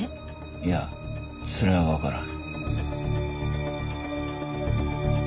いやそれはわからん。